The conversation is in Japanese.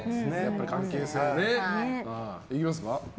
関係性がね。いきますか。